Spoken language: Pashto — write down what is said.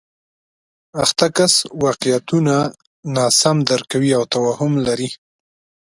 اخته کس واقعیتونه ناسم درک کوي او توهم لري